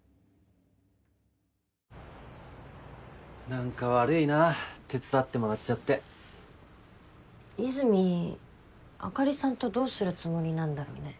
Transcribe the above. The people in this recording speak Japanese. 何か悪いな手伝ってもらっちゃって和泉あかりさんとどうするつもりなんだろうね